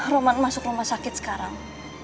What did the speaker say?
roman masuk rumah sakit sekarang